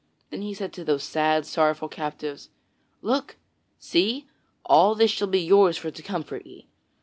Then he said to those sad, sorrowful captives: "Look! See! all this shall be yours for to comfort ye!